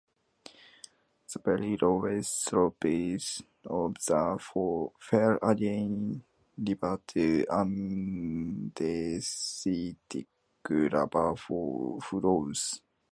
The very lowest slopes of the fell again revert to andesitic lava flows.